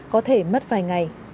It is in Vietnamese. có thể mất vài ngày